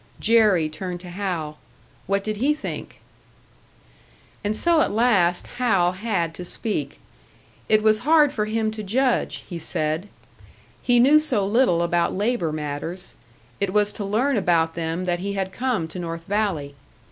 Jerry turned to Hal. What did he think? And so at last Hal had to speak. It was hard for him to judge, he said. He knew so little about labour matters. It was to learn about them that he had come to North Valley.